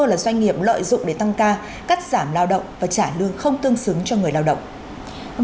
là doanh nghiệp lợi dụng để tăng ca cắt giảm lao động và trả lương không tương xứng cho người lao động